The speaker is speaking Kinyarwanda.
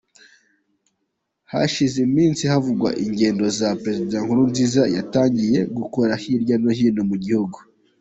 Hashize iminsi havugwa ingendo za perezida Nkurunziza yatangiye gukora hirya no hino mu gihugu.